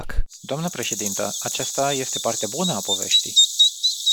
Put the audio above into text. Dnă președintă, aceasta este partea bună a poveștii.